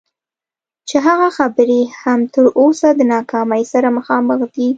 چې هغه خبرې هم تر اوسه د ناکامۍ سره مخامخ دي.